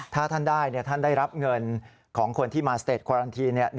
ถ้าท่านได้ท่านได้รับเงินของคนที่มาสเตจควารันที